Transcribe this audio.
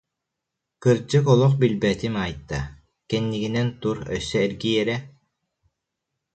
Кырдьык, олох билбэтим, Айта, кэннигинэн тур, өссө эргий эрэ